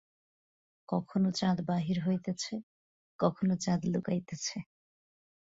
কখনো চাঁদ বাহির হইতেছে, কখনো চাঁদ লুকাইতেছে।